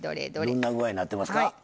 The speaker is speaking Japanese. どんな具合になってますか？